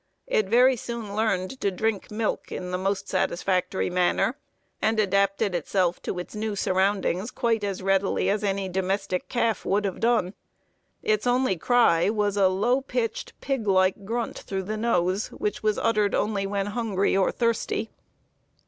It very soon learned to drink milk in the most satisfactory manner, and adapted itself to its new surroundings quite as readily as any domestic calf would have done. Its only cry was a low pitched, pig like grunt through the nose, which was uttered only when hungry or thirsty.